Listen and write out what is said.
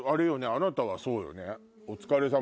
あなたはそうよね。